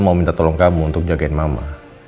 mau minta tolong kamu untuk jagain mama